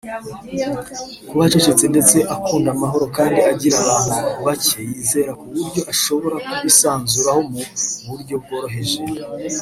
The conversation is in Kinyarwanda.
kuba acecetse ndetse akunda amahoro kandi agira abantu bacye yizera ku buryo ashobora kubisanzuraho mu buryo bworoheje